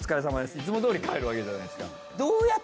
いつもどおり帰るわけじゃないですか。